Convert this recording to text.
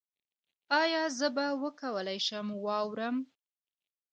ایا زه به وکولی شم واورم؟